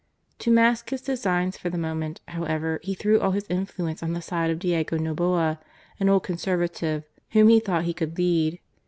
To mask his designs for the moment, however, he threw all his influence on the side of Diego Noboa, an old Conservative, whom he thought he could lead.